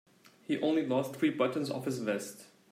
He only lost three buttons off his vest.